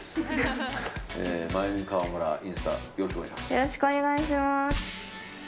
よろしくお願いします。